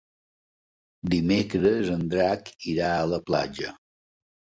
Dimecres en Drac irà a la platja.